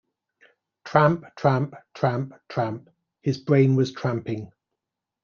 Tramp, tramp, tramp, tramp; his brain was tramping.